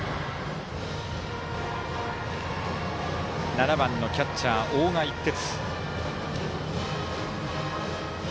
７番、キャッチャー、大賀一徹。